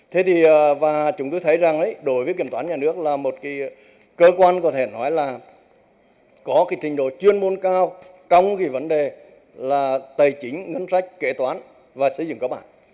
thế thì và chúng tôi thấy rằng đối với kiểm toán nhà nước là một cơ quan có thể nói là có cái trình độ chuyên môn cao trong cái vấn đề là tài chính ngân sách kế toán và xây dựng các bản